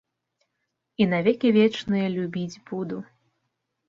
І на векі вечныя любіць буду.